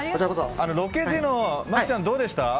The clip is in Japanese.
ロケ時の麻貴ちゃんどうでした？